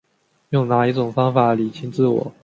用哪一种方法厘清自我